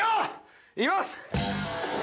行きます。